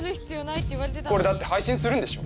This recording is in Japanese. これだって配信するんでしょ？